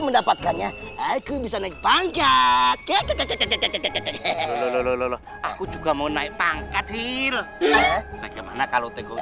mendapatkannya aku bisa naik pangkat aku juga mau naik pangkat hil bagaimana kalau teguh